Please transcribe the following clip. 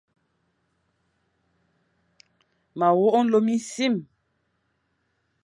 Ma wok nlô minsim.